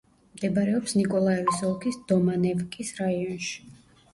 მდებარეობს ნიკოლაევის ოლქის დომანევკის რაიონში.